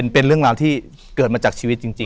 เป็นเรื่องราวที่เกิดมาจากชีวิตจริง